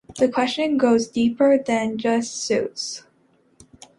The question goes deeper than just suits.